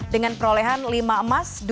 dengan perolehan lima emas